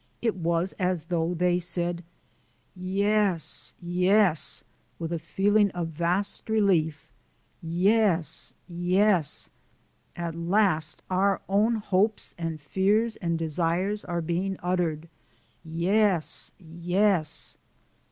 It was as though they said, "Yes, yes" with a feeling of vast relief "Yes, yes at last our own hopes and fears and desires are being uttered yes, yes."